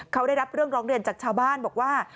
เขาได้รับเรื่องร้องเรียนจากชาวบ้านบอกว่า